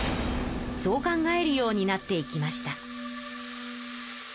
そう考えるようになっていきました。